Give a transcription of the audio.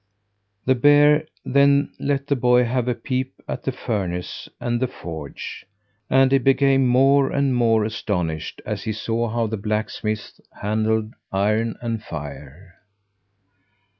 The bear then let the boy have a peep at the furnace and the forge, and he became more and more astonished as he saw how the blacksmiths handled iron and fire.